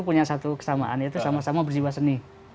punya satu kesamaan yaitu sama sama berjiwa seni